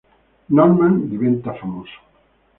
Norman diventa famoso.